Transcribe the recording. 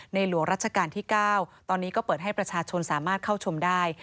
หลวงรัชกาลที่๙ตอนนี้ก็เปิดให้ประชาชนสามารถเข้าชมได้